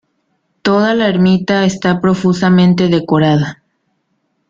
Toda la Ermita está profusamente decorada.